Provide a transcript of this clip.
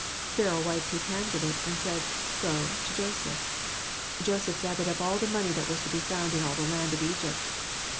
Pharaoh wiped his hands of it, and said, Go to Joseph. Joseph gathered up all the money that was found in all the land of Egypt.